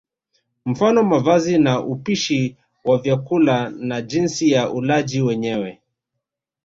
Mfano mavazi na upishi wa vyakula na jinsi ya ulaji wenyewe